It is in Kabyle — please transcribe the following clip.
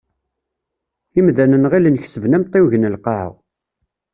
Imdanen ɣillen kesben amtiweg n Lqaεa.